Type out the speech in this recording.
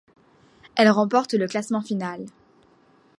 Elle remporte le classement final.